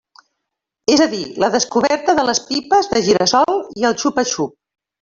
És a dir la descoberta de les pipes de gira-sol i el xupa-xup.